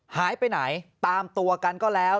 หายไปไหนตามตัวกันก็แล้ว